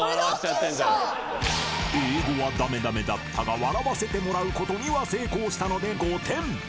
［英語は駄目駄目だったが笑わせてもらうことには成功したので５点］